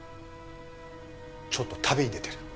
ちょっと旅に出てる。